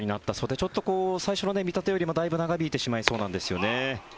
ちょっと最初の見立てよりもだいぶ長引いてしまいそうなんですよね。